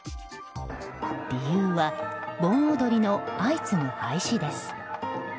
理由は、盆踊りの相次ぐ廃止です。